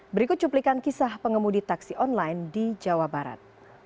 berikut cuplikan kisah pengemudi taksi online di jawa barat